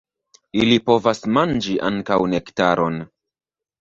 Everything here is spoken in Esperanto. Ili povas manĝi ankaŭ nektaron.